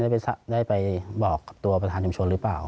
ว่าท่านได้ไปบอกประธานชงชนหรือเปล่า